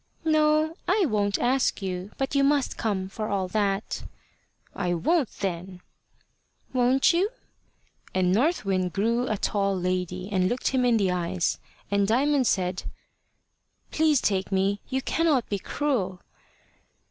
"No, I won't ask you. But you must come for all that." "I won't then." "Won't you?" And North Wind grew a tall lady, and looked him in the eyes, and Diamond said "Please take me. You cannot be cruel."